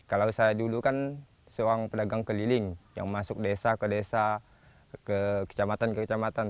kalau saya dulu kan seorang pedagang keliling yang masuk desa ke desa ke kecamatan ke kecamatan